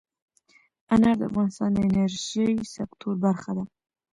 انار د افغانستان د انرژۍ سکتور برخه ده.